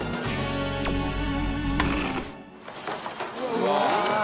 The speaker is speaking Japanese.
うわ！